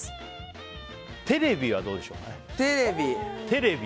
テレビはどうでしょう。